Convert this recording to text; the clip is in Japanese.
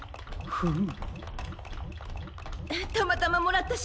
フム！？